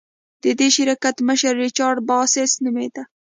د دې شرکت مشر ریچارډ باسس نومېده.